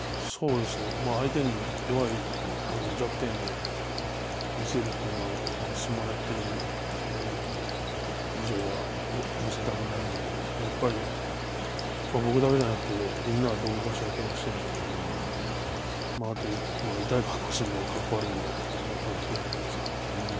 相手に弱い弱点を見せるというのは相撲をやってる以上は見せたくないのと、やっぱり僕だけじゃなくて、みんな、どこかしらけがをしているので、あと、痛い格好するのはかっこ悪いので、ただそれだけです。